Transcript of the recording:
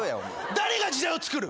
誰が時代をつくる？